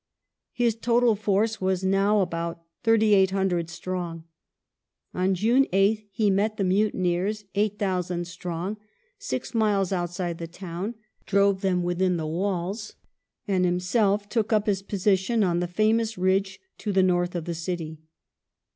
His total force was now about 3,800 strong. On June 8th he met the mutineei s 8,000 strong, six miles outside the town, drove them within the walls, and himself took up his position on the famous ridge to the north of the city.